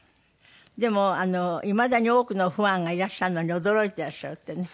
でもいまだに多くのファンがいらっしゃるのに驚いていらっしゃるってね。